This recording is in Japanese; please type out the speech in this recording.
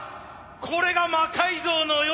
これが「魔改造の夜」。